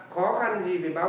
khó khăn gì thì báo